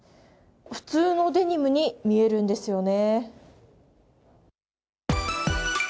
普通のデニムに見えるんですよね。